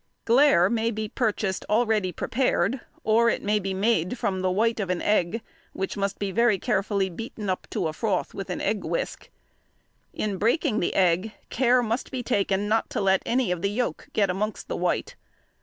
Glaire may be purchased already prepared, or it may be made from the white of egg, which must be very carefully beaten up to a froth with an egg whisk. In breaking the egg care must be taken not to let any of the yolk get amongst the white.